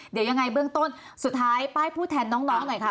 เดี๋ยวยังไงเบื้องต้นสุดท้ายป้ายพูดแทนน้องหน่อยค่ะ